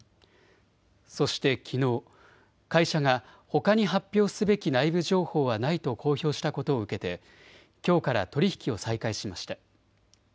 そしてきのう会社がほかに発表すべき内部情報はないと公表したことを受けてきょうから取り引きを再開しました。